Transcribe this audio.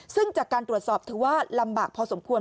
ซึ่งจากการตรวจสอบถือว่าลำบากพอสมควร